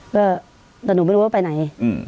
ก็แต่หนูไม่รู้ว่าไปไหน